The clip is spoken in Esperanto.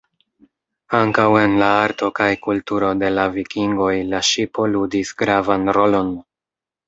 Ankaŭ en la arto kaj kulturo de la Vikingoj la ŝipo ludis gravan rolon.